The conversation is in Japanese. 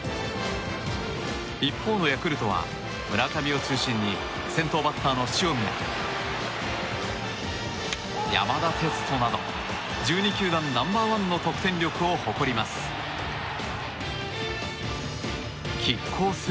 一方のヤクルトは村上を中心に先頭バッターの塩見や山田哲人など１２球団ナンバー１の得点力を誇ります。